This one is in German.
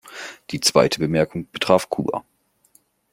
Die zweite Bemerkung betraf Kuba.